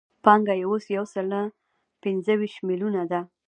پانګه یې اوس یو سل پنځه ویشت میلیونه ده